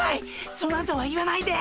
そのあとは言わないで！